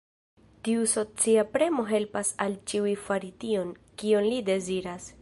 Tiu socia premo helpas al ĉiuj fari tion, kion li deziras.